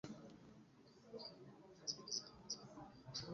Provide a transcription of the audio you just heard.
iyo ndirimbo izongera yumvikane mu ijwi risa n'iry'abantu